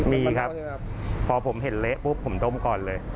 มีครับพอผมเห็นเละปุ๊บผมต้มก่อนเลย